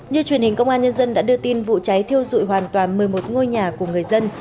như truyền hình công an nhân dân đã đưa tin vụ cháy thiêu dụi hoàn toàn một mươi một ngôi nhà của người dân